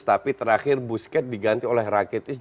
tapi terakhir busket diganti oleh rakitis